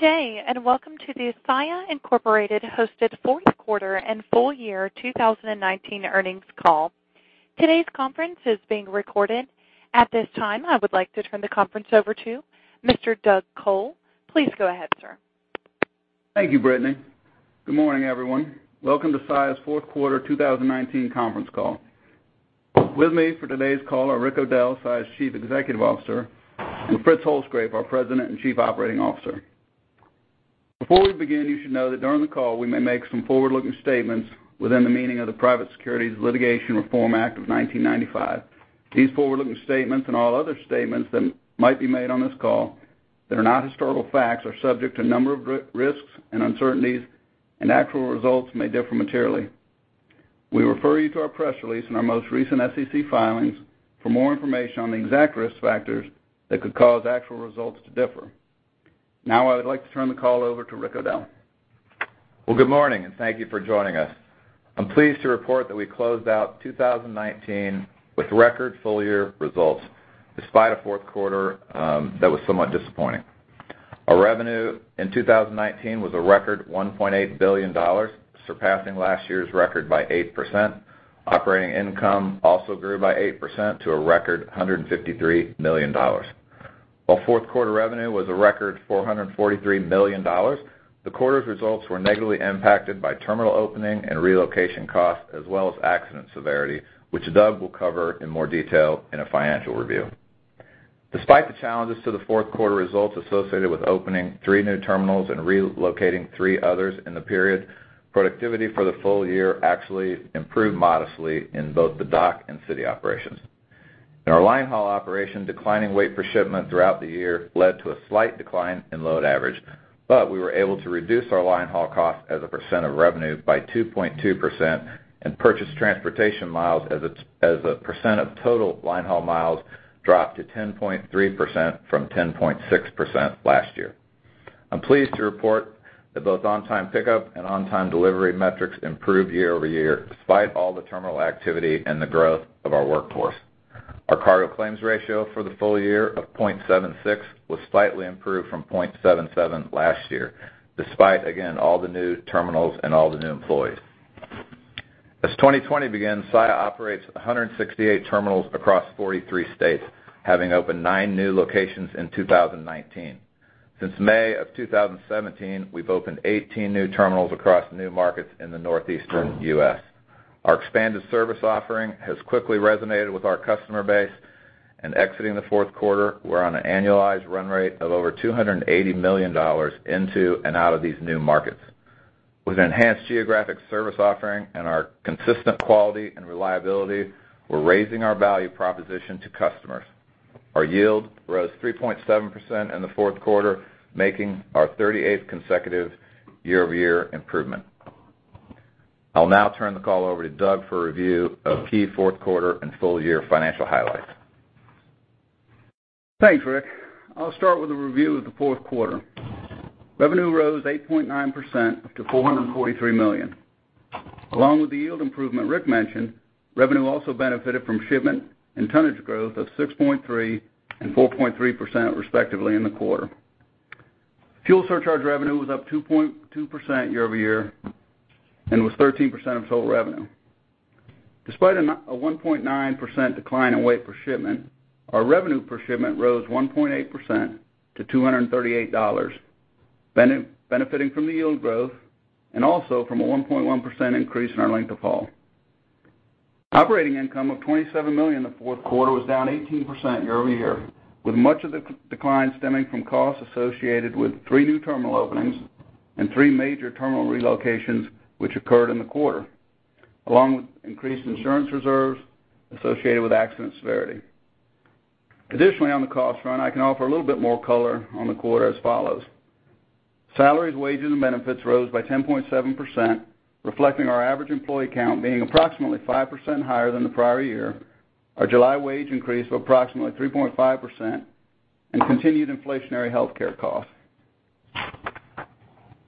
Good day, welcome to the Saia, Inc. Hosted Fourth Quarter and Full Year 2019 Earnings Call. Today's conference is being recorded. At this time, I would like to turn the conference over to Mr. Doug Col. Please go ahead, sir. Thank you, Brittany. Good morning, everyone. Welcome to Saia's Fourth Quarter 2019 Conference Call. With me for today's call are Richard O'Dell, Saia's Chief Executive Officer, and Fritz Holzgrefe, our President and Chief Operating Officer. Before we begin, you should know that during the call, we may make some forward-looking statements within the meaning of the Private Securities Litigation Reform Act of 1995. These forward-looking statements, and all other statements that might be made on this call that are not historical facts, are subject to a number of risks and uncertainties, and actual results may differ materially. We refer you to our press release in our most recent SEC filings for more information on the exact risk factors that could cause actual results to differ. Now, I would like to turn the call over to Richard O'Dell. Well, good morning, and thank you for joining us. I'm pleased to report that we closed out 2019 with record full-year results, despite a fourth quarter that was somewhat disappointing. Our revenue in 2019 was a record $1.8 billion, surpassing last year's record by 8%. Operating income also grew by 8% to a record $153 million. While fourth quarter revenue was a record $443 million, the quarter's results were negatively impacted by terminal opening and relocation costs, as well as accident severity, which Doug will cover in more detail in a financial review. Despite the challenges to the fourth quarter results associated with opening three new terminals and relocating three others in the period, productivity for the full year actually improved modestly in both the dock and city operations. In our line haul operation, declining weight per shipment throughout the year led to a slight decline in load average, but we were able to reduce our line haul cost as a percent of revenue by 2.2% and purchase transportation miles as a percent of total line haul miles dropped to 10.3% from 10.6% last year. I'm pleased to report that both on-time pickup and on-time delivery metrics improved year-over-year, despite all the terminal activity and the growth of our workforce. Our cargo claims ratio for the full year of 0.76 was slightly improved from 0.77 last year, despite, again, all the new terminals and all the new employees. As 2020 begins, Saia operates 168 terminals across 43 states, having opened nine new locations in 2019. Since May of 2017, we've opened 18 new terminals across new markets in the northeastern U.S. Our expanded service offering has quickly resonated with our customer base, and exiting the fourth quarter, we're on an annualized run rate of over $280 million into and out of these new markets. With enhanced geographic service offering and our consistent quality and reliability, we're raising our value proposition to customers. Our yield rose 3.7% in the fourth quarter, making our 38th consecutive year-over-year improvement. I'll now turn the call over to Doug for a review of key fourth quarter and full year financial highlights. Thanks, Rick. I'll start with a review of the fourth quarter. Revenue rose 8.9% up to $443 million. Along with the yield improvement Rick mentioned, revenue also benefited from shipment and tonnage growth of 6.3% and 4.3% respectively in the quarter. Fuel surcharge revenue was up 2.2% year-over-year and was 13% of total revenue. Despite a 1.9% decline in weight per shipment, our revenue per shipment rose 1.8% to $238, benefiting from the yield growth and also from a 1.1% increase in our length of haul. Operating income of $27 million in the fourth quarter was down 18% year-over-year, with much of the decline stemming from costs associated with three new terminal openings and three major terminal relocations, which occurred in the quarter, along with increased insurance reserves associated with accident severity. On the cost front, I can offer a little bit more color on the quarter as follows. Salaries, wages, and benefits rose by 10.7%, reflecting our average employee count being approximately 5% higher than the prior year, our July wage increase of approximately 3.5%, and continued inflationary healthcare costs.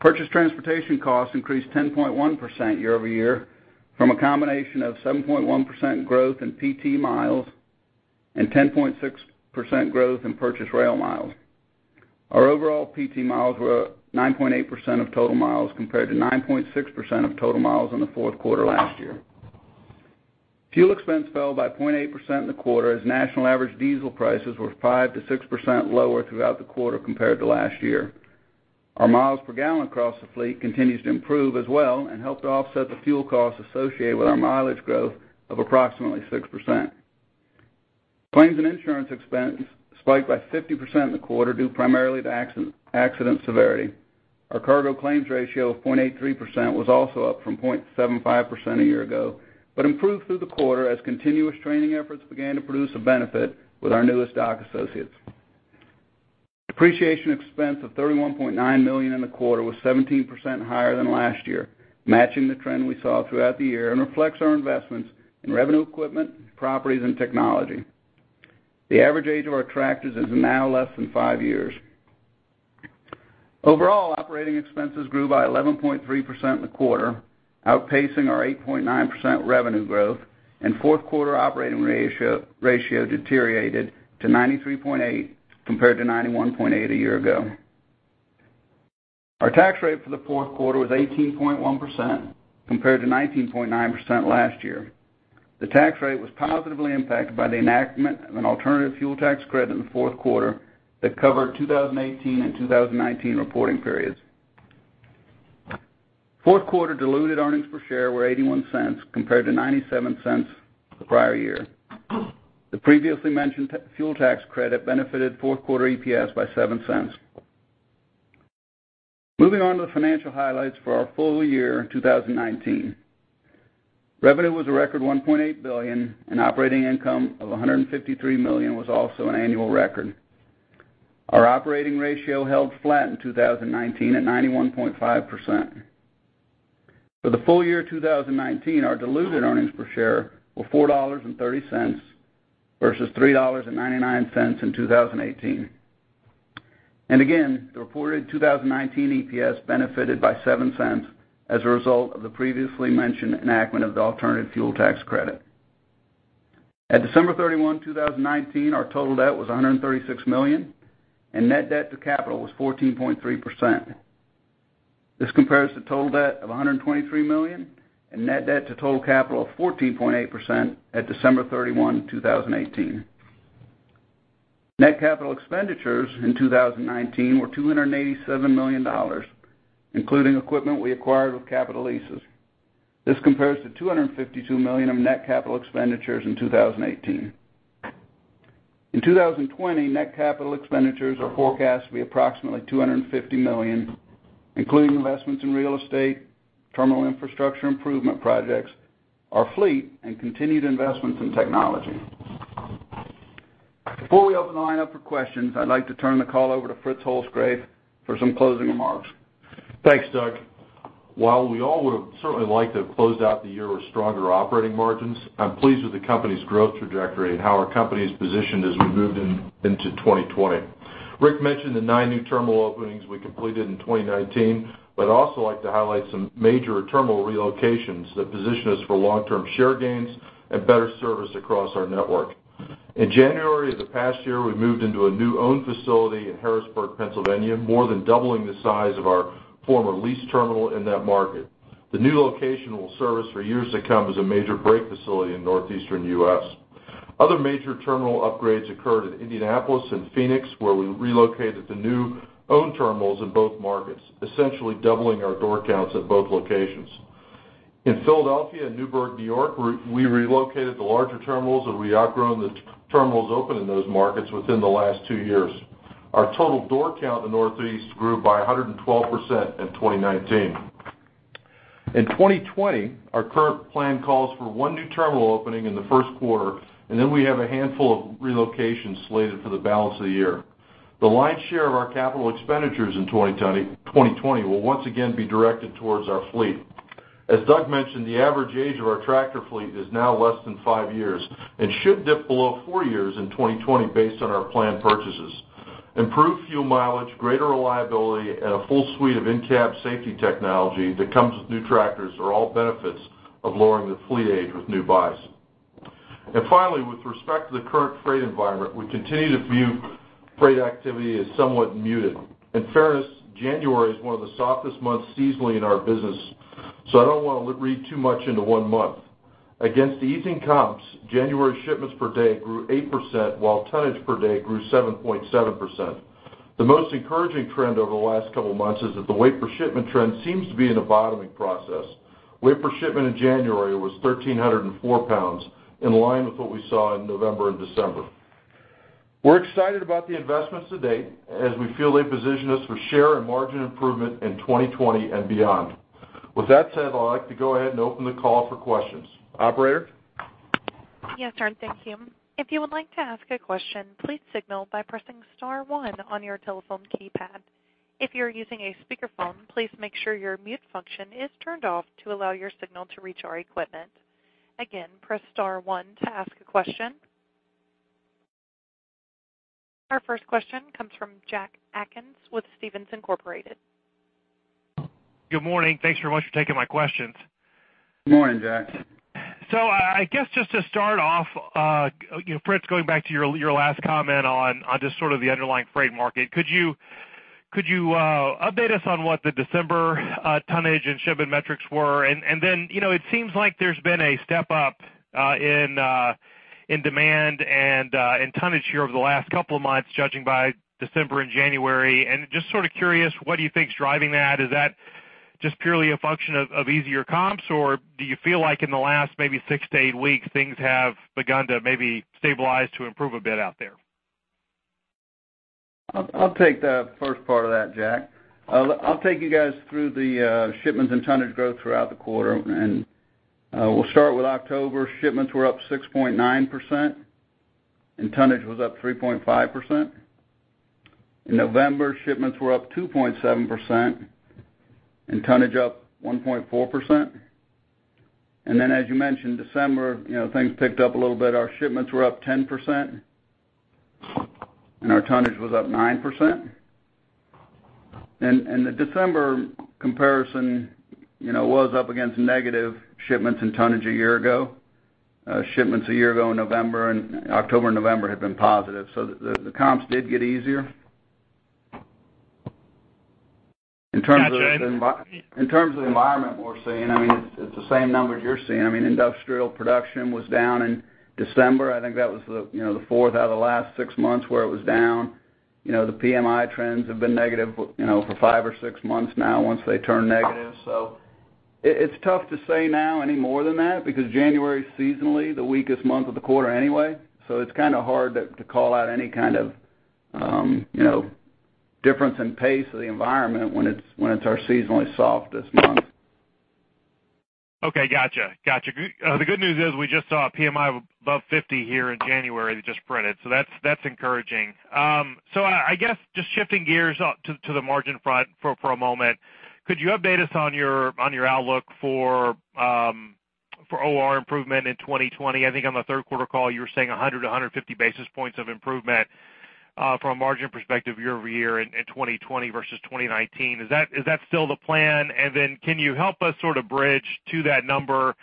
Purchase transportation costs increased 10.1% year-over-year from a combination of 7.1% growth in PT miles and 10.6% growth in purchase rail miles. Our overall PT miles were 9.8% of total miles compared to 9.6% of total miles in the fourth quarter last year. Fuel expense fell by 0.8% in the quarter as national average diesel prices were 5%-6% lower throughout the quarter compared to last year. Our miles per gallon across the fleet continues to improve as well and helped to offset the fuel costs associated with our mileage growth of approximately 6%. Claims and insurance expense spiked by 50% in the quarter due primarily to accident severity. Our cargo claims ratio of 0.83% was also up from 0.75% a year ago, but improved through the quarter as continuous training efforts began to produce a benefit with our newest dock associates. Depreciation expense of $31.9 million in the quarter was 17% higher than last year, matching the trend we saw throughout the year and reflects our investments in revenue equipment, properties, and technology. The average age of our tractors is now less than five years. Overall, operating expenses grew by 11.3% in the quarter. Outpacing our 8.9% revenue growth and fourth quarter operating ratio deteriorated to 93.8% compared to 91.8% a year ago. Our tax rate for the fourth quarter was 18.1% compared to 19.9% last year. The tax rate was positively impacted by the enactment of an alternative fuel tax credit in the fourth quarter that covered 2018 and 2019 reporting periods. Fourth quarter diluted earnings per share were $0.81 compared to $0.97 the prior year. The previously mentioned fuel tax credit benefited fourth quarter EPS by $0.07. Moving on to the financial highlights for our full year in 2019. Revenue was a record $1.8 billion, operating income of $153 million was also an annual record. Our operating ratio held flat in 2019 at 91.5%. For the full year 2019, our diluted earnings per share were $4.30 versus $3.99 in 2018. Again, the reported 2019 EPS benefited by $0.07 as a result of the previously mentioned enactment of the alternative fuel tax credit. At December 31, 2019, our total debt was $136 million, and net debt to capital was 14.3%. This compares to total debt of $123 million, net debt to total capital of 14.8% at December 31, 2018. Net capital expenditures in 2019 were $287 million, including equipment we acquired with capital leases. This compares to $252 million of net capital expenditures in 2018. In 2020, net capital expenditures are forecast to be approximately $250 million, including investments in real estate, terminal infrastructure improvement projects, our fleet, and continued investments in technology. Before we open the line up for questions, I'd like to turn the call over to Fritz Holzgrefe for some closing remarks. Thanks, Doug. While we all would've certainly liked to have closed out the year with stronger operating margins, I'm pleased with the company's growth trajectory and how our company's positioned as we moved into 2020. Rick mentioned the nine new terminal openings we completed in 2019, but I'd also like to highlight some major terminal relocations that position us for long-term share gains and better service across our network. In January of the past year, we moved into a new owned facility in Harrisburg, Pennsylvania, more than doubling the size of our former leased terminal in that market. The new location will serve us for years to come as a major break facility in Northeastern U.S. Other major terminal upgrades occurred in Indianapolis and Phoenix, where we relocated to new owned terminals in both markets, essentially doubling our door counts at both locations. In Philadelphia and Newburgh, New York, we relocated the larger terminals that we outgrown the terminals open in those markets within the last two years. Our total door count in the Northeast grew by 112% in 2019. In 2020, our current plan calls for one new terminal opening in the first quarter, and then we have a handful of relocations slated for the balance of the year. The lion's share of our capital expenditures in 2020 will once again be directed towards our fleet. As Doug mentioned, the average age of our tractor fleet is now less than five years, and should dip below four years in 2020 based on our planned purchases. Improved fuel mileage, greater reliability, and a full suite of in-cab safety technology that comes with new tractors are all benefits of lowering the fleet age with new buys. Finally, with respect to the current freight environment, we continue to view freight activity as somewhat muted. In fairness, January is one of the softest months seasonally in our business, so I don't want to read too much into one month. Against the easing comps, January shipments per day grew 8%, while tonnage per day grew 7.7%. The most encouraging trend over the last couple of months is that the weight per shipment trend seems to be in a bottoming process. Weight per shipment in January was 1,304 lbs, in line with what we saw in November and December. We're excited about the investments to date as we feel they position us for share and margin improvement in 2020 and beyond. With that said, I'd like to go ahead and open the call for questions. Operator? Yes, sir. Thank you. If you would like to ask a question, please signal by pressing star one on your telephone keypad. If you're using a speakerphone, please make sure your mute function is turned off to allow your signal to reach our equipment. Again, press star one to ask a question. Our first question comes from Jack Atkins with Stephens Incorporated. Good morning. Thanks very much for taking my questions. Good morning, Jack. I guess just to start off, Fritz, going back to your last comment on just sort of the underlying freight market, could you update us on what the December tonnage and shipment metrics were? It seems like there's been a step up in demand and tonnage here over the last couple of months judging by December and January. Just sort of curious, what do you think is driving that? Is that just purely a function of easier comps, or do you feel like in the last maybe six-eight weeks, things have begun to maybe stabilize to improve a bit out there? I'll take the first part of that, Jack. I'll take you guys through the shipments and tonnage growth throughout the quarter. We'll start with October. Shipments were up 6.9%, and tonnage was up 3.5%. In November, shipments were up 2.7%, and tonnage up 1.4%. As you mentioned, December, things picked up a little bit. Our shipments were up 10%. Our tonnage was up 9%. The December comparison was up against negative shipments and tonnage a year ago. Shipments a year ago in October and November had been positive. The comps did get easier. In terms of the environment we're seeing, it's the same numbers you're seeing. Industrial production was down in December. I think that was the fourth out of the last six months where it was down. The PMI trends have been negative for five or six months now, once they turn negative. It's tough to say now any more than that, because January is seasonally the weakest month of the quarter anyway. It's kind of hard to call out any kind of difference in pace of the environment when it's our seasonally softest month. Okay, got you. The good news is we just saw a PMI above 50 here in January that just printed. That's encouraging. I guess just shifting gears to the margin front for a moment, could you update us on your outlook for OR improvement in 2020? I think on the third quarter call, you were saying 100-150 basis points of improvement from a margin perspective year-over-year in 2020 versus 2019. Is that still the plan? Can you help us sort of bridge to that number,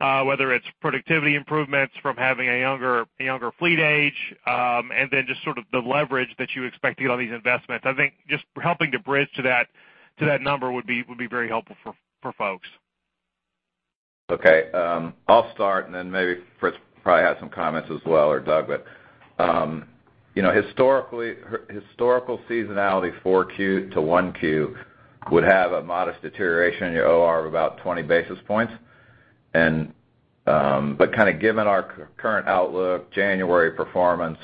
whether it's productivity improvements from having a younger fleet age, and then just sort of the leverage that you expect to get on these investments? I think just helping to bridge to that number would be very helpful for folks. Okay. I'll start. Maybe Fritz probably has some comments as well, or Doug. Historical seasonality 4Q-1Q would have a modest deterioration in your OR of about 20 basis points. Kind of given our current outlook, January performance,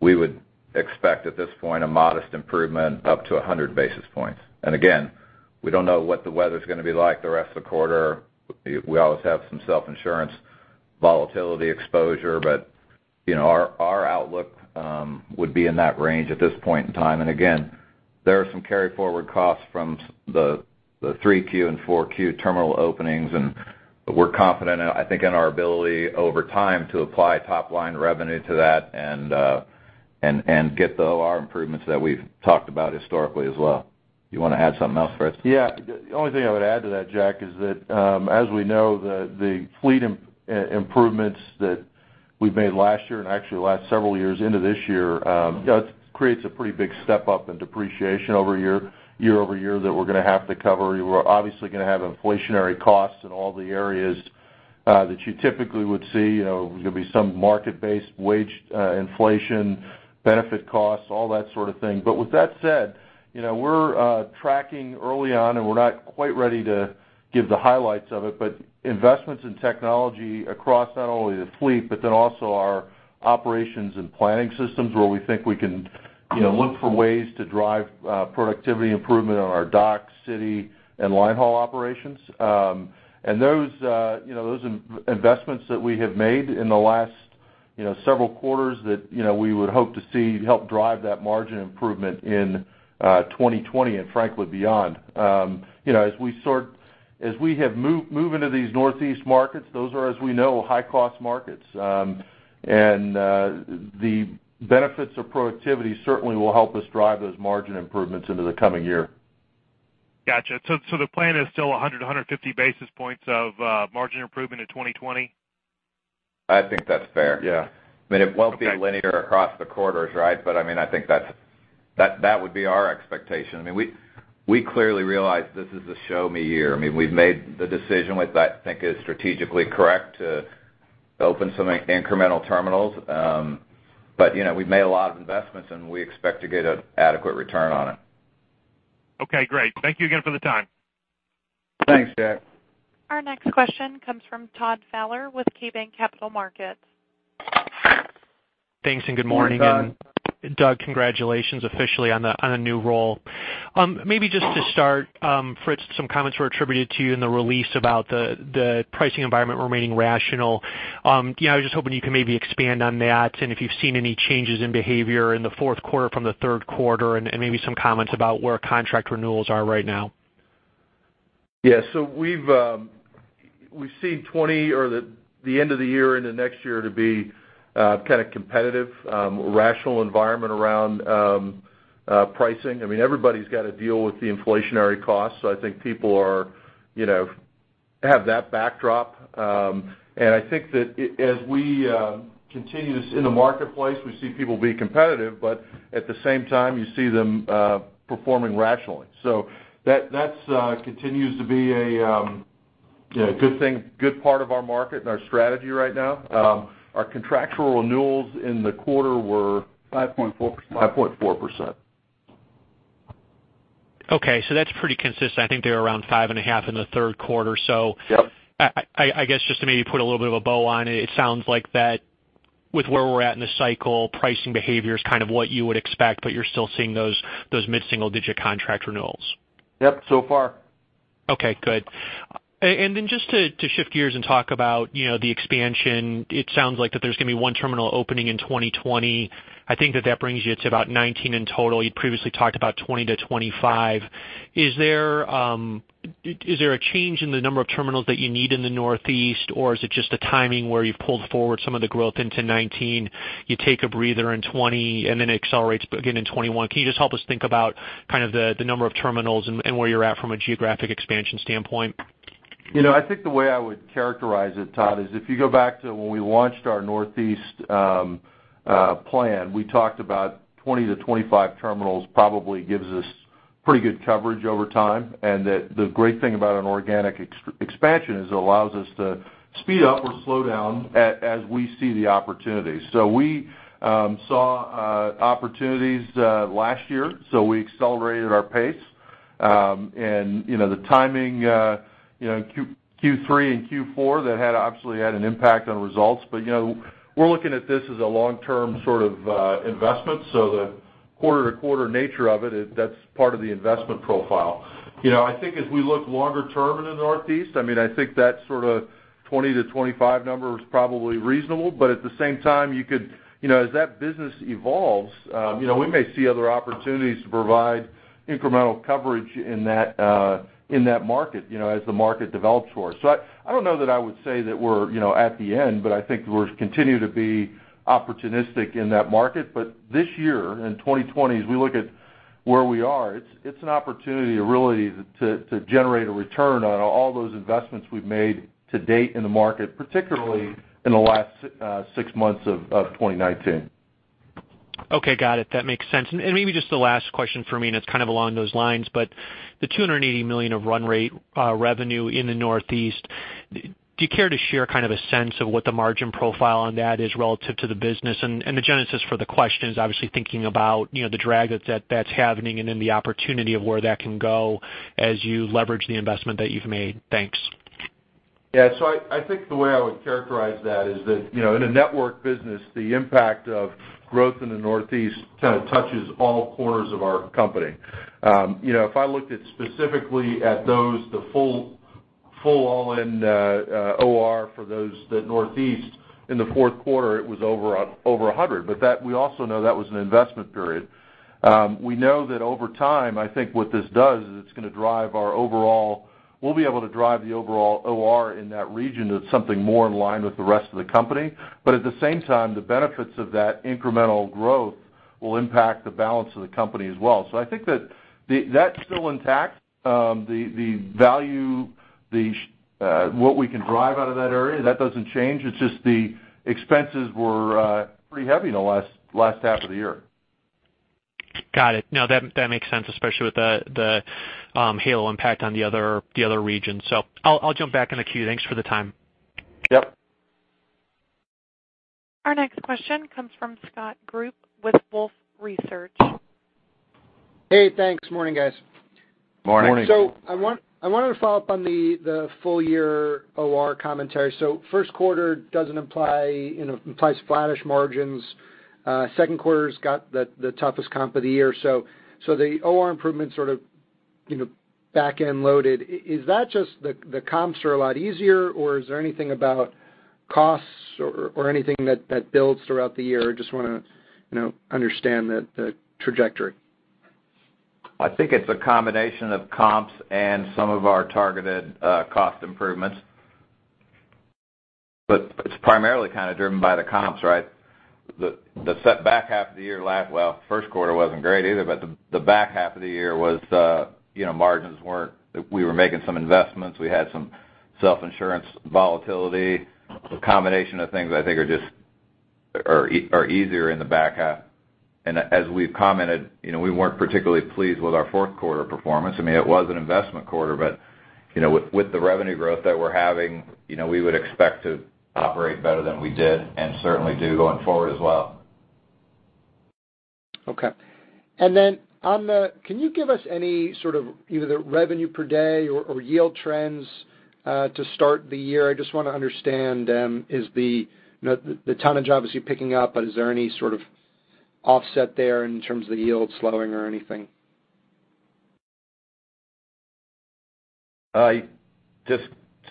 we would expect at this point a modest improvement up to 100 basis points. Again, we don't know what the weather's going to be like the rest of the quarter. We always have some self-insurance volatility exposure. Our outlook would be in that range at this point in time. Again, there are some carry-forward costs from the 3Q and 4Q terminal openings, and we're confident, I think, in our ability over time to apply top-line revenue to that and get the OR improvements that we've talked about historically as well. Do you want to add something else, Fritz? Yeah. The only thing I would add to that, Jack, is that as we know, the fleet improvements that we made last year and actually the last several years into this year creates a pretty big step-up in depreciation year-over-year that we're going to have to cover. We're obviously going to have inflationary costs in all the areas that you typically would see. There's going to be some market-based wage inflation, benefit costs, all that sort of thing. With that said, we're tracking early on, and we're not quite ready to give the highlights of it, but investments in technology across not only the fleet but then also our operations and planning systems where we think we can look for ways to drive productivity improvement on our dock, city, and line haul operations. Those investments that we have made in the last several quarters that we would hope to see help drive that margin improvement in 2020 and frankly, beyond. As we have moved into these Northeast markets, those are, as we know, high-cost markets. The benefits of productivity certainly will help us drive those margin improvements into the coming year. Got you. The plan is still 100-150 basis points of margin improvement in 2020? I think that's fair. I mean, it won't be linear across the quarters, right? I think that would be our expectation. We clearly realize this is a show-me year. We've made the decision what I think is strategically correct to open some incremental terminals. We've made a lot of investments, and we expect to get an adequate return on it. Okay, great. Thank you again for the time. Thanks, Jack. Our next question comes from Todd Fowler with KeyBanc Capital Markets. Thanks and good morning. Doug, congratulations officially on the new role. Maybe just to start, Fritz, some comments were attributed to you in the release about the pricing environment remaining rational. I was just hoping you can maybe expand on that and if you've seen any changes in behavior in the fourth quarter from the third quarter, and maybe some comments about where contract renewals are right now? We've seen the end of the year into next year to be kind of competitive, rational environment around pricing. Everybody's got to deal with the inflationary costs. I think people have that backdrop. I think that as we continue in the marketplace, we see people being competitive, but at the same time, you see them performing rationally. That continues to be a good part of our market and our strategy right now. Our contractual renewals in the quarter were 5.4%. 5.4%. That's pretty consistent. I think they were around five and a half in the third quarter. Yep. I guess just to maybe put a little bit of a bow on it sounds like that with where we're at in the cycle, pricing behavior is kind of what you would expect, but you're still seeing those mid-single-digit contract renewals. Yep, so far. Okay, good. Just to shift gears and talk about the expansion, it sounds like that there's going to be one terminal opening in 2020. I think that that brings you to about 19 in total. You'd previously talked about 20-25. Is there a change in the number of terminals that you need in the Northeast, or is it just a timing where you've pulled forward some of the growth into 2019, you take a breather in 2020, and then it accelerates again in 2021? Can you just help us think about the number of terminals and where you're at from a geographic expansion standpoint? I think the way I would characterize it, Todd, is if you go back to when we launched our Northeast plan, we talked about 20-25 terminals probably gives us pretty good coverage over time, and that the great thing about an organic expansion is it allows us to speed up or slow down as we see the opportunities. We saw opportunities last year, so we accelerated our pace. The timing, in Q3 and Q4, that had obviously had an impact on results. We're looking at this as a long-term sort of investment. The quarter-to-quarter nature of it, that's part of the investment profile. I think as we look longer term in the Northeast, I think that sort of 20-25 number is probably reasonable. At the same time as that business evolves, we may see other opportunities to provide incremental coverage in that market as the market develops for us. I don't know that I would say that we're at the end, but I think we'll continue to be opportunistic in that market. This year, in 2020, as we look at where we are, it's an opportunity really to generate a return on all those investments we've made to date in the market, particularly in the last six months of 2019. Okay. Got it. That makes sense. Maybe just the last question for me, and it's kind of along those lines, but the $280 million of run rate revenue in the Northeast, do you care to share kind of a sense of what the margin profile on that is relative to the business? The genesis for the question is obviously thinking about the drag that that's happening and then the opportunity of where that can go as you leverage the investment that you've made. Thanks. I think the way I would characterize that is that in a network business, the impact of growth in the Northeast kind of touches all corners of our company. If I looked at specifically at those, the full all-in OR for those, the Northeast in the fourth quarter, it was over 100. We also know that was an investment period. We know that over time, I think what this does is it's going to drive our overall, we'll be able to drive the overall OR in that region to something more in line with the rest of the company. At the same time, the benefits of that incremental growth will impact the balance of the company as well. I think that that's still intact. The value, what we can drive out of that area, that doesn't change. It's just the expenses were pretty heavy in the last half of the year. Got it. No, that makes sense, especially with the halo impact on the other region. I'll jump back in the queue. Thanks for the time. Yep. Our next question comes from Scott Group with Wolfe Research. Hey, thanks. Morning, guys. Morning. I wanted to follow up on the full year OR commentary. First quarter doesn't imply flattish margins. Second quarter's got the toughest comp of the year. The OR improvement sort of back end loaded. Is that just the comps are a lot easier, or is there anything about costs or anything that builds throughout the year? I just want to understand the trajectory. I think it's a combination of comps and some of our targeted cost improvements. It's primarily kind of driven by the comps, right? The back half of the year last, well, first quarter wasn't great either, but the back half of the year was, margins weren't, we were making some investments. We had some self-insurance volatility. A combination of things I think are easier in the back half. As we've commented, we weren't particularly pleased with our fourth quarter performance. I mean, it was an investment quarter, but with the revenue growth that we're having, we would expect to operate better than we did, and certainly do going forward as well. Okay. On the, can you give us any sort of either the revenue per day or yield trends to start the year? I just want to understand, the tonnage obviously picking up. Is there any sort of offset there in terms of the yield slowing or anything?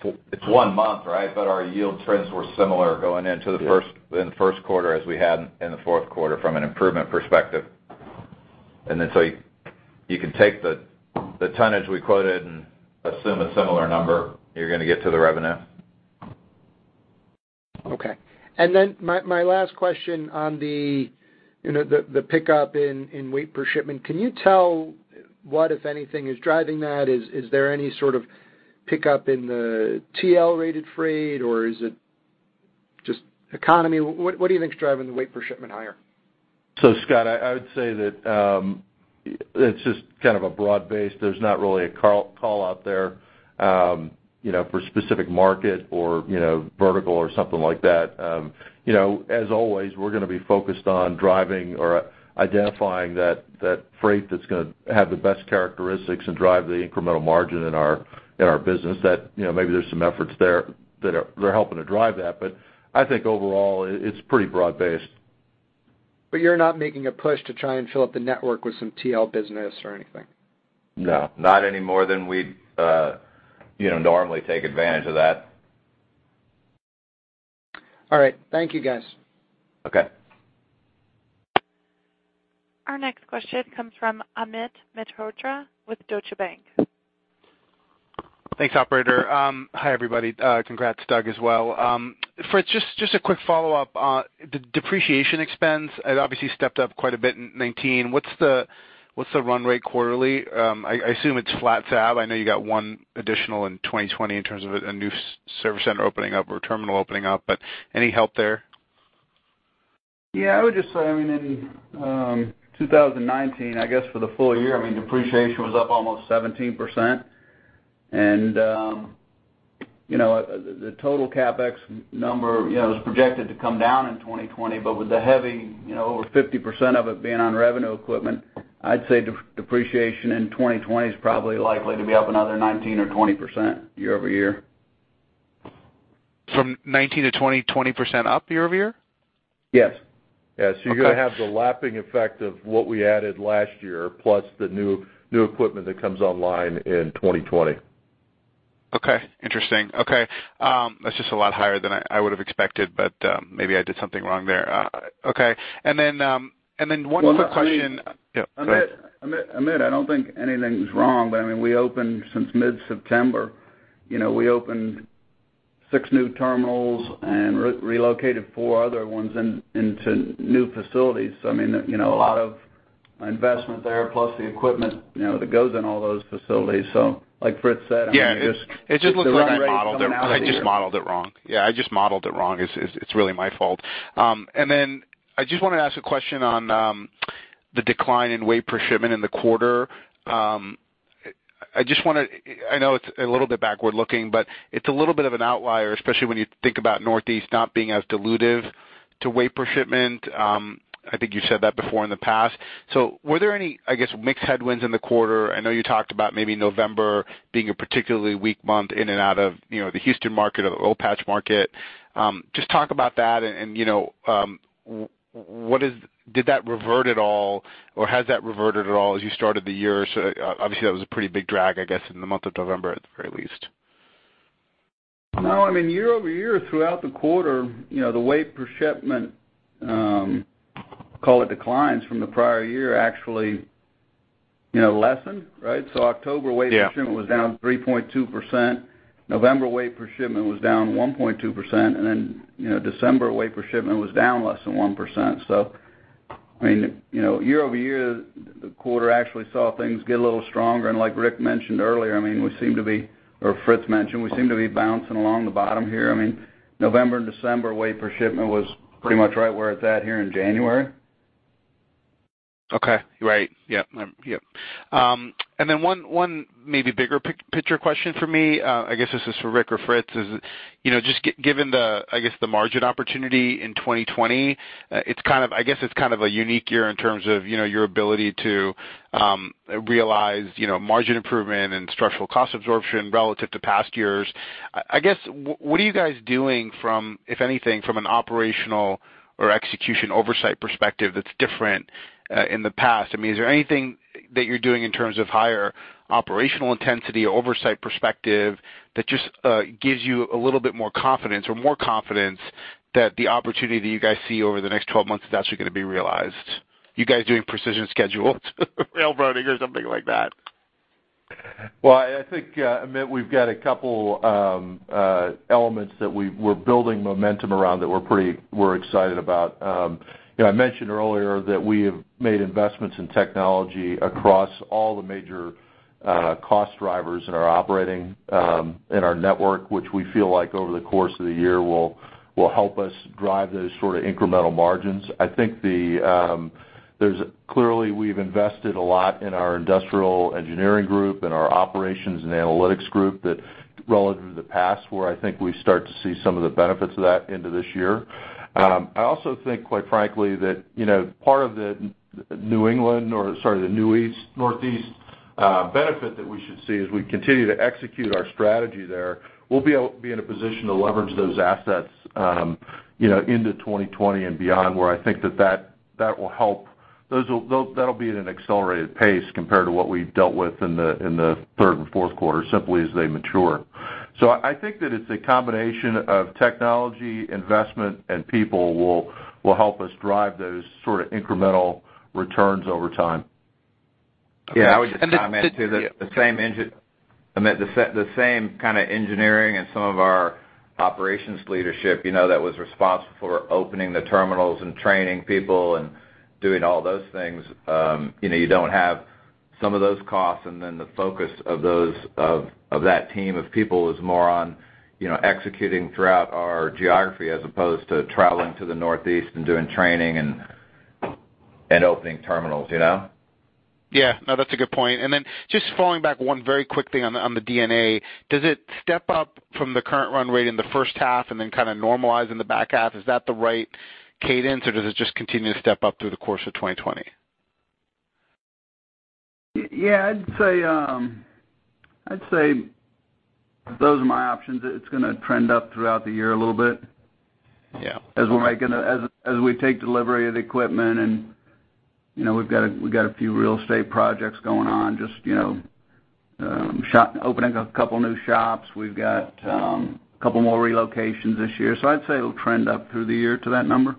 It's one month, right? Our yield trends were similar going into the first quarter as we had in the fourth quarter from an improvement perspective. You can take the tonnage we quoted and assume a similar number, you're going to get to the revenue. Okay. My last question on the pickup in weight per shipment, can you tell what, if anything, is driving that? Is there any sort of pickup in the TL-rated freight, or is it just economy? What do you think is driving the weight per shipment higher? Scott, I would say that it's just kind of a broad base. There's not really a call out there for a specific market or vertical or something like that. As always, we're going to be focused on driving or identifying that freight that's going to have the best characteristics and drive the incremental margin in our business that maybe there's some efforts there that are helping to drive that. I think overall, it's pretty broad based. You're not making a push to try and fill up the network with some TL business or anything? No, not any more than we normally take advantage of that. All right. Thank you, guys. Okay. Our next question comes from Amit Mehrotra with Deutsche Bank. Thanks, operator. Hi, everybody. Congrats, Doug, as well. Fritz, just a quick follow-up on the depreciation expense. It obviously stepped up quite a bit in 2019. What's the run rate quarterly? I assume it's flat tab. I know you got one additional in 2020 in terms of a new service center opening up or terminal opening up, but any help there? Yeah, I would just say, in 2019, I guess, for the full year, depreciation was up almost 17%. The total CapEx number was projected to come down in 2020, but with the heavy over 50% of it being on revenue equipment, I'd say depreciation in 2020 is probably likely to be up another 19% or 20% year-over-year. From 19%-20% up year-over-year? Yes. Yes. You're going to have the lapping effect of what we added last year, plus the new equipment that comes online in 2020. Okay. Interesting. Okay. That's just a lot higher than I would have expected, but maybe I did something wrong there. Okay. One quick question. Amit. I don't think anything's wrong. We opened since mid-September. We opened six new terminals and relocated four other ones into new facilities. A lot of investment there, plus the equipment that goes in all those facilities. Like Fritz said, I mean. Yeah. It just looks like I modeled it. I just modeled it wrong. Yeah, I just modeled it wrong. It's really my fault. Then I just want to ask a question on the decline in weight per shipment in the quarter. I know it's a little bit backward-looking, but it's a little bit of an outlier, especially when you think about Northeast not being as dilutive to weight per shipment. I think you said that before in the past. Were there any, I guess, mixed headwinds in the quarter? I know you talked about maybe November being a particularly weak month in and out of the Houston market or the Oil Patch market. Just talk about that and did that revert at all, or has that reverted at all as you started the year? Obviously, that was a pretty big drag, I guess, in the month of November, at the very least. No, I mean, year-over-year, throughout the quarter, the weight per shipment, call it declines from the prior year actually lessened, right? October weight per shipment was down 3.2%, November weight per shipment was down 1.2%, December weight per shipment was down less than 1%. Year-over-year, the quarter actually saw things get a little stronger. Like Rick mentioned earlier, we seem to be, or Fritz mentioned, we seem to be bouncing along the bottom here. November and December weight per shipment was pretty much right where it's at here in January. Okay. Right. Yep. One maybe bigger picture question for me, I guess this is for Rick or Fritz, is just given the, I guess, the margin opportunity in 2020, I guess it's kind of a unique year in terms of your ability to realize margin improvement and structural cost absorption relative to past years. I guess, what are you guys doing from, if anything, from an operational or execution oversight perspective that's different in the past? I mean, is there anything that you're doing in terms of higher operational intensity or oversight perspective that just gives you a little bit more confidence or more confidence that the opportunity that you guys see over the next 12 months is actually going to be realized? You guys doing precision schedules, railroading or something like that? Well, I think, Amit, we've got a couple elements that we're building momentum around that we're excited about. I mentioned earlier that we have made investments in technology across all the major cost drivers in our operating, in our network, which we feel like over the course of the year will help us drive those sort of incremental margins. I think clearly we've invested a lot in our industrial engineering group and our operations and analytics group that relative to the past, where I think we start to see some of the benefits of that into this year. I also think, quite frankly, that part of the New England, or sorry, the Northeast benefit that we should see as we continue to execute our strategy there, we'll be in a position to leverage those assets into 2020 and beyond, where I think that will help. That'll be at an accelerated pace compared to what we've dealt with in the third and fourth quarter, simply as they mature. I think that it's a combination of technology investment and people will help us drive those sort of incremental returns over time. Okay. I would just chime in, too, that the same kind of engineering and some of our operations leadership that was responsible for opening the terminals and training people and doing all those things. You don't have some of those costs, and then the focus of that team of people is more on executing throughout our geography as opposed to traveling to the Northeast and doing training and opening terminals. Yeah. No, that's a good point. Just following back one very quick thing on the D&A. Does it step up from the current run rate in the first half and then kind of normalize in the back half? Is that the right cadence, or does it just continue to step up through the course of 2020? I'd say those are my options. It's going to trend up throughout the year a little bit. Yeah. As we take delivery of the equipment and we've got a few real estate projects going on, just opening a couple new shops. We've got a couple more relocations this year. I'd say it'll trend up through the year to that number.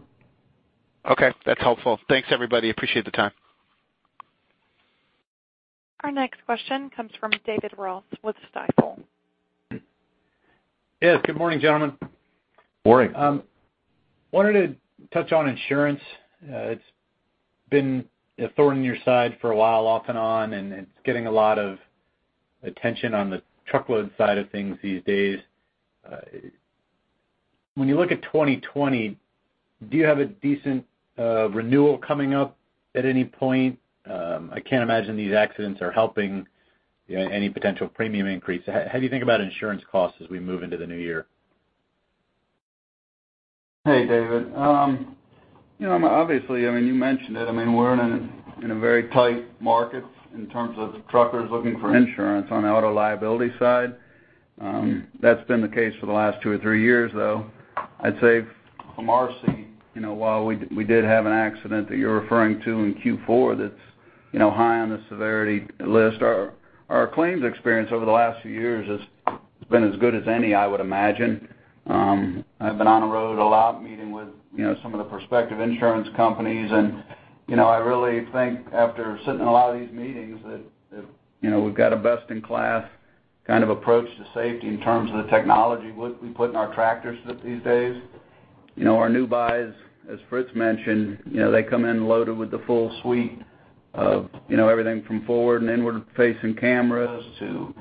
Okay, that's helpful. Thanks, everybody. Appreciate the time. Our next question comes from David Ross with Stifel. Yes, good morning, gentlemen. Morning. Wanted to touch on insurance. It's been a thorn in your side for a while off and on, and it's getting a lot of attention on the truckload side of things these days. When you look at 2020, do you have a decent renewal coming up at any point? I can't imagine these accidents are helping any potential premium increase. How do you think about insurance costs as we move into the new year? Hey, David. Obviously, you mentioned it. We're in a very tight market in terms of truckers looking for insurance on the auto liability side. That's been the case for the last two or three years, though. I'd say from our scene, while we did have an accident that you're referring to in Q4 that's high on the severity list, our claims experience over the last few years has been as good as any, I would imagine. I've been on the road a lot meeting with some of the prospective insurance companies. I really think after sitting in a lot of these meetings that we've got a best-in-class approach to safety in terms of the technology we put in our tractors these days. Our new buys, as Fritz mentioned, they come in loaded with the full suite of everything from forward and inward-facing cameras to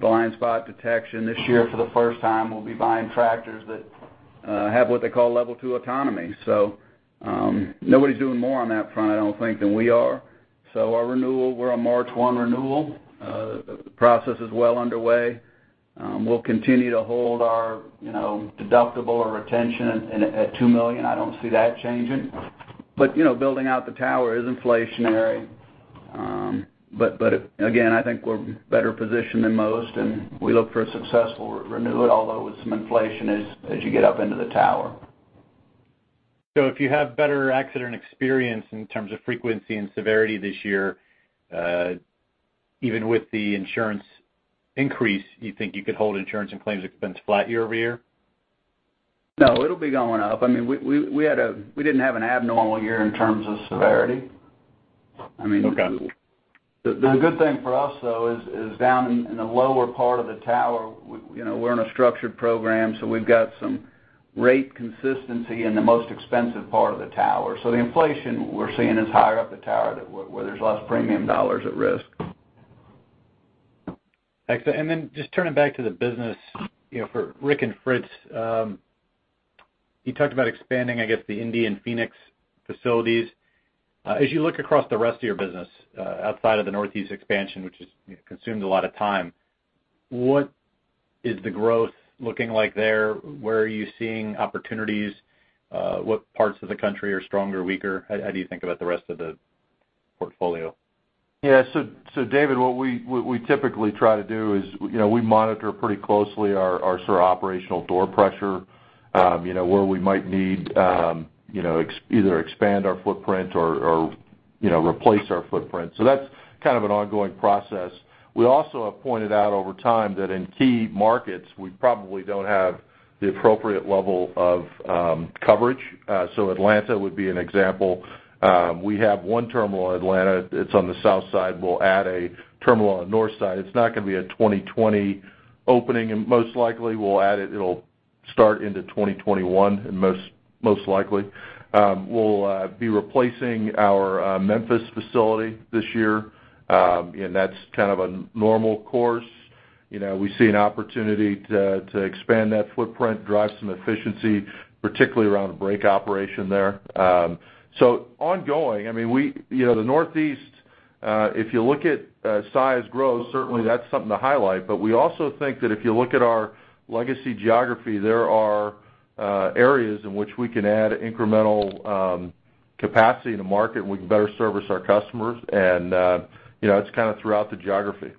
blind spot detection. This year, for the first time, we'll be buying tractors that have what they call Level two autonomy. Nobody's doing more on that front, I don't think, than we are. Our renewal, we're a March one renewal. The process is well underway. We'll continue to hold our deductible or retention at $2 million. I don't see that changing. Building out the tower is inflationary. Again, I think we're better positioned than most, and we look for a successful renewal, although with some inflation as you get up into the tower. If you have better accident experience in terms of frequency and severity this year, even with the insurance increase, you think you could hold insurance and claims expense flat year-over-year? No, it'll be going up. We didn't have an abnormal year in terms of severity. The good thing for us, though, is down in the lower part of the tower, we're in a structured program, so we've got some rate consistency in the most expensive part of the tower. The inflation we're seeing is higher up the tower where there's less premium dollars at risk. Excellent. Just turning back to the business for Rick and Fritz. You talked about expanding, I guess, the Indy and Phoenix facilities. As you look across the rest of your business outside of the Northeast expansion, which has consumed a lot of time, what is the growth looking like there? Where are you seeing opportunities? What parts of the country are stronger, weaker? How do you think about the rest of the portfolio? Yeah. David, what we typically try to do is we monitor pretty closely our operational door pressure where we might need either expand our footprint or replace our footprint. We also have pointed out over time that in key markets, we probably don't have the appropriate level of coverage. Atlanta would be an example. We have one terminal in Atlanta. It's on the south side. We'll add a terminal on the north side. It's not going to be a 2020 opening, and most likely we'll add it. It'll start into 2021 most likely. We'll be replacing our Memphis facility this year, and that's a normal course. We see an opportunity to expand that footprint, drive some efficiency, particularly around the brake operation there. Ongoing, the Northeast, if you look at Saia's growth, certainly that's something to highlight. We also think that if you look at our legacy geography, there are areas in which we can add incremental capacity in the market, and we can better service our customers. It's throughout the geography.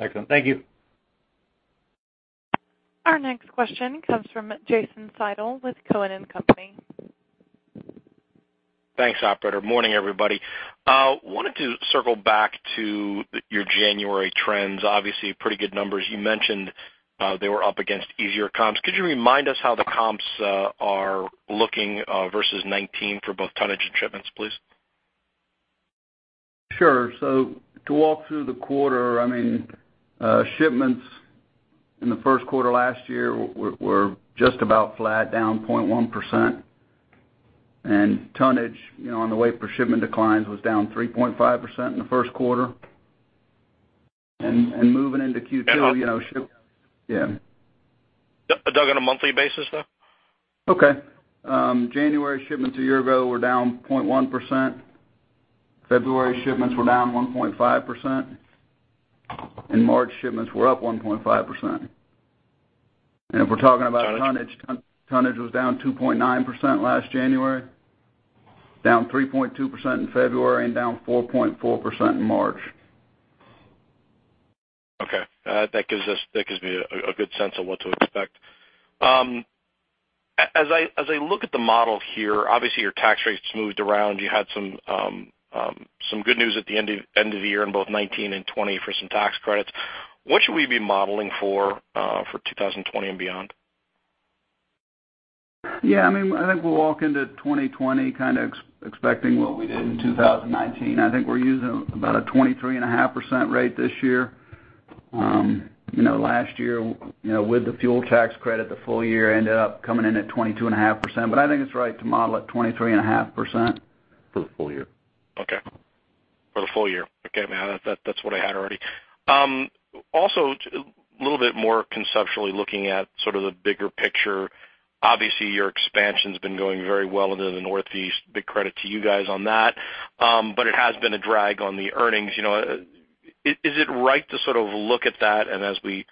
Excellent. Thank you. Our next question comes from Jason Seidl with Cowen and Company. Thanks, operator. Morning, everybody. Wanted to circle back to your January trends. Obviously pretty good numbers. You mentioned they were up against easier comps. Could you remind us how the comps are looking versus 2019 for both tonnage and shipments, please? Sure. To walk through the quarter, shipments in the first quarter last year were just about flat down 0.1%. Tonnage on the weight per shipment declines was down 3.5% in the first quarter. Doug, on a monthly basis, though? Okay. January shipments a year ago were down 0.1%. February shipments were down 1.5%, and March shipments were up 1.5%. If we're talking about tonnage was down 2.9% last January, down 3.2% in February, and down 4.4% in March. Okay. That gives me a good sense of what to expect. As I look at the model here, obviously your tax rate's smoothed around. You had some good news at the end of the year in both 2019 and 2020 for some tax credits. What should we be modeling for 2020 and beyond? Yeah. I think we'll walk into 2020 kind of expecting what we did in 2019. I think we're using about a 23.5% rate this year. Last year, with the fuel tax credit, the full year ended up coming in at 22.5%. I think it's right to model at 23.5% for the full year. Okay. For the full year. Okay. That's what I had already. A little bit more conceptually looking at sort of the bigger picture. Obviously, your expansion's been going very well into the Northeast. Big credit to you guys on that. It has been a drag on the earnings. Is it right to sort of look at that, and as we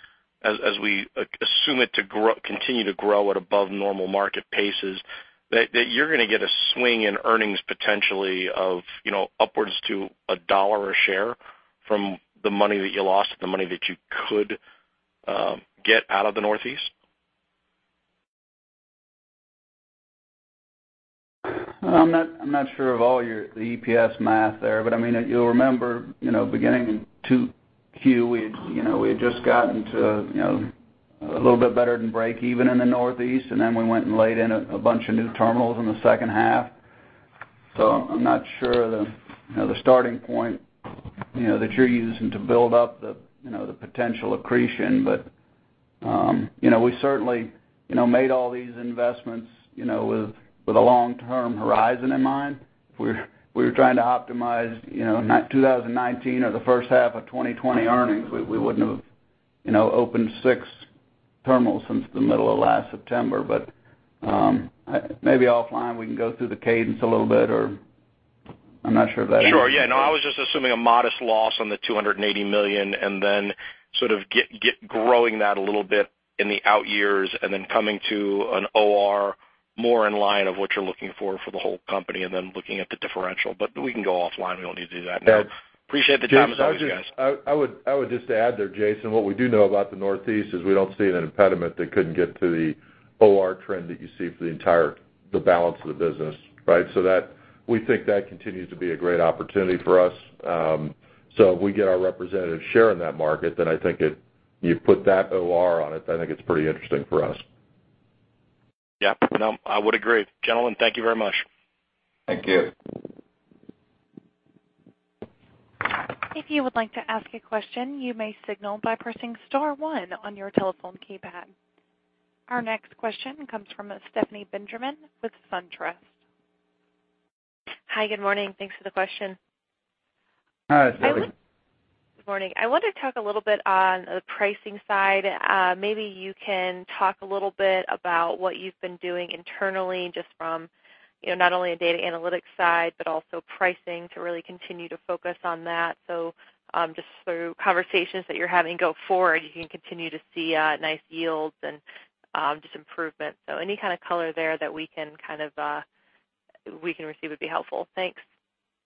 assume it to continue to grow at above normal market paces, that you're going to get a swing in earnings potentially of upwards to $1 a share from the money that you lost, the money that you could get out of the Northeast? I'm not sure of all the EPS math there, but you'll remember, beginning in 2Q, we had just gotten to a little bit better than breakeven in the Northeast, and then we went and laid in a bunch of new terminals in the second half. I'm not sure the starting point that you're using to build up the potential accretion. We certainly made all these investments with a long-term horizon in mind. If we were trying to optimize 2019 or the first half of 2020 earnings, we wouldn't have opened six terminals since the middle of last September. Maybe offline we can go through the cadence a little bit, or I'm not sure if that. Sure. Yeah, no, I was just assuming a modest loss on the $280 million, and then sort of growing that a little bit in the out years, and then coming to an OR more in line of what you're looking for for the whole company, and then looking at the differential. We can go offline. We don't need to do that now. Yeah. Appreciate the time as always, guys. I would just add there, Jason, what we do know about the Northeast is we don't see an impediment that couldn't get to the OR trend that you see for the entire balance of the business, right? We think that continues to be a great opportunity for us. If we get our representative share in that market, I think if you put that OR on it, I think it's pretty interesting for us. Yeah. No, I would agree. Gentlemen, thank you very much. Thank you. If you would like to ask a question, you may signal by pressing star one on your telephone keypad. Our next question comes from Stephanie Benjamin with SunTrust. Hi, good morning. Thanks for the question. Hi, Stephanie. Good morning. I wanted to talk a little bit on the pricing side. Maybe you can talk a little bit about what you've been doing internally just from not only a data analytics side, but also pricing to really continue to focus on that. Just through conversations that you're having go forward, you can continue to see nice yields and just improvement. Any kind of color there that we can receive would be helpful. Thanks.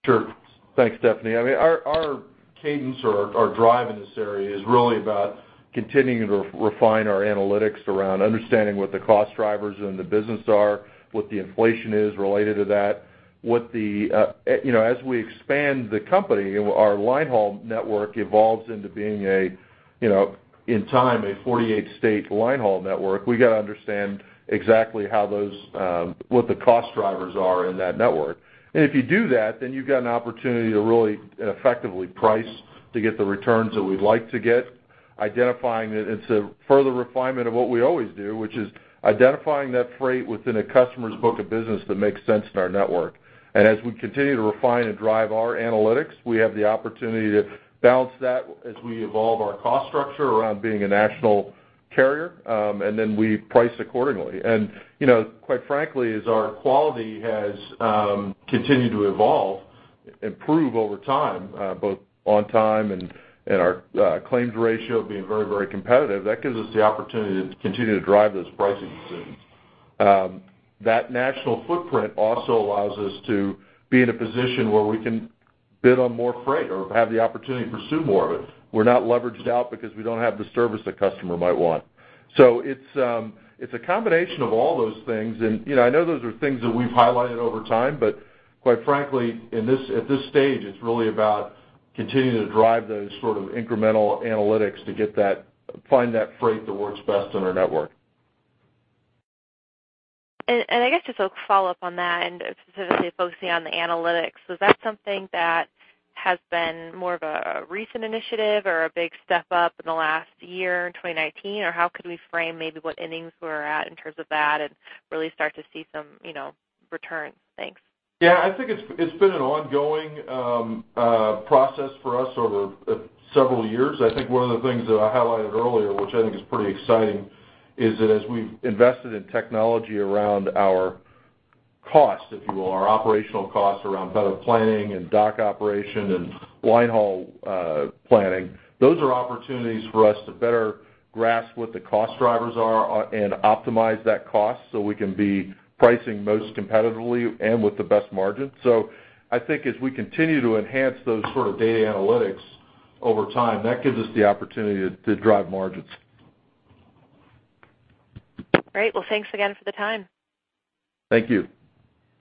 Sure. Thanks, Stephanie. Our cadence or our drive in this area is really about continuing to refine our analytics around understanding what the cost drivers in the business are, what the inflation is related to that. As we expand the company, our linehaul network evolves into being a, in time, a 48-state linehaul network. We got to understand exactly what the cost drivers are in that network. If you do that, you've got an opportunity to really and effectively price to get the returns that we'd like to get. It's a further refinement of what we always do, which is identifying that freight within a customer's book of business that makes sense in our network. As we continue to refine and drive our analytics, we have the opportunity to balance that as we evolve our cost structure around being a national carrier, we price accordingly. Quite frankly, as our quality has continued to evolve, improve over time, both on time and our claims ratio being very competitive, that gives us the opportunity to continue to drive those pricing decisions. That national footprint also allows us to be in a position where we can bid on more freight or have the opportunity to pursue more of it. We're not leveraged out because we don't have the service a customer might want. It's a combination of all those things, and I know those are things that we've highlighted over time, but quite frankly, at this stage, it's really about continuing to drive those sort of incremental analytics to find that freight that works best in our network. I guess just a follow-up on that, and specifically focusing on the analytics. Is that something that has been more of a recent initiative or a big step-up in the last year in 2019? Or how could we frame maybe what innings we're at in terms of that and really start to see some returns? Thanks. Yeah. I think it's been an ongoing process for us over several years. I think one of the things that I highlighted earlier, which I think is pretty exciting, is that as we've invested in technology around our cost, if you will, our operational costs around better planning and dock operation and line haul planning. Those are opportunities for us to better grasp what the cost drivers are and optimize that cost so we can be pricing most competitively and with the best margin. I think as we continue to enhance those sort of data analytics over time, that gives us the opportunity to drive margins. Great. Well, thanks again for the time. Thank you.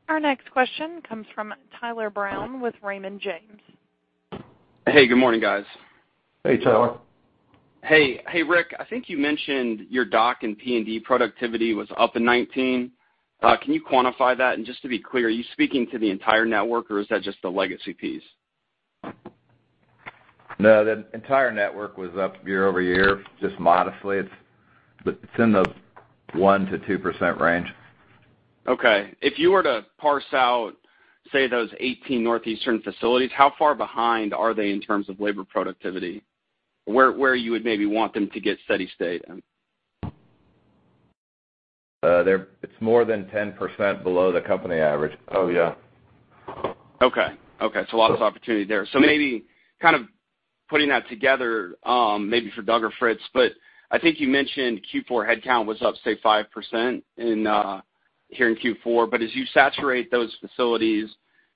Our next question comes from Tyler Brown with Raymond James. Hey, good morning, guys. Hey, Tyler. Hey. Hey, Rick, I think you mentioned your dock and P&D productivity was up in 2019. Can you quantify that? Just to be clear, are you speaking to the entire network, or is that just the legacy piece? No, the entire network was up year-over-year, just modestly. It's in the 1%-2% range. Okay. If you were to parse out, say, those 18 northeastern facilities, how far behind are they in terms of labor productivity? Where you would maybe want them to get steady state? It's more than 10% below the company average. Oh, yeah. Okay. Lots of opportunity there. Maybe kind of putting that together, maybe for Doug or Fritz, but I think you mentioned Q4 headcount was up, say, 5% here in Q4. As you saturate those facilities,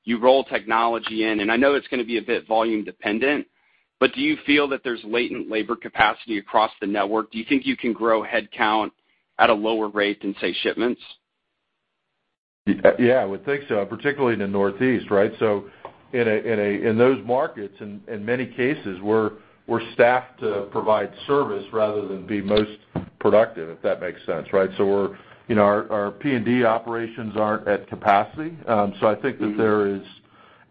you roll technology in, and I know it's going to be a bit volume dependent, but do you feel that there's latent labor capacity across the network? Do you think you can grow headcount at a lower rate than, say, shipments? Yeah, I would think so, particularly in the Northeast. Right? In those markets, in many cases, we're staffed to provide service rather than be most productive, if that makes sense. Right? Our P&D operations aren't at capacity. I think that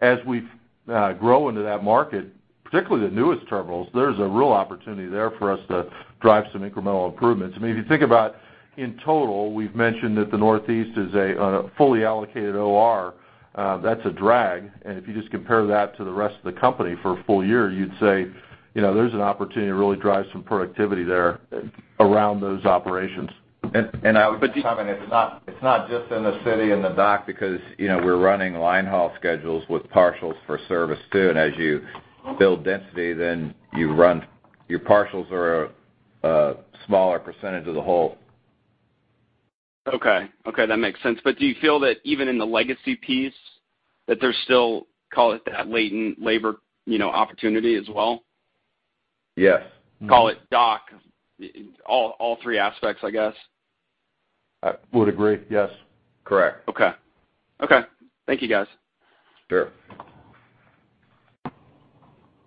as we grow into that market, particularly the newest terminals, there's a real opportunity there for us to drive some incremental improvements. I mean, if you think about, in total, we've mentioned that the Northeast is a fully allocated OR, that's a drag. If you just compare that to the rest of the company for a full year, you'd say there's an opportunity to really drive some productivity there around those operations. It's not just in the city and the dock because we're running line haul schedules with partials for service, too. As you build density, then your partials are a smaller % of the whole. Okay. That makes sense. Do you feel that even in the legacy piece that there's still, call it that latent labor opportunity as well? Yes. Call it dock, all three aspects, I guess. I would agree, yes. Correct. Okay. Thank you, guys. Sure.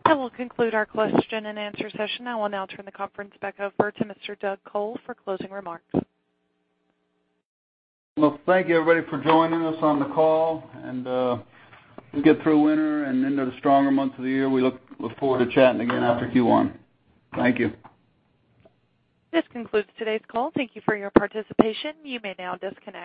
That will conclude our question and answer session. I will now turn the conference back over to Mr. Doug Col for closing remarks. Well, thank you, everybody, for joining us on the call. We'll get through winter and into the stronger months of the year. We look forward to chatting again after Q1. Thank you. This concludes today's call. Thank you for your participation. You may now disconnect.